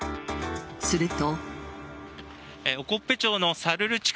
すると。